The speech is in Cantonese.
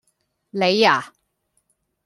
你呀?